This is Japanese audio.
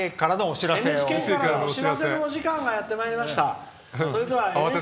ＮＨＫからのお知らせのお時間がやってまいりました。